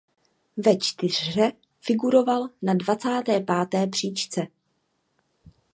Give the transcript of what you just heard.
Ve čtyřhře figuroval na dvacáté páté příčce.